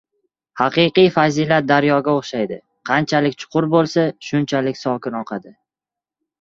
Haqiqiy fazilat daryoga o‘xshaydi, qanchalik chuqur bo‘lsa, shunchalik sokin oqadi.